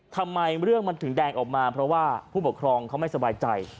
ทำไมเรื่องมันถึงแดงออกมาเพราะว่าผู้ปกครองเขาไม่สบายใจ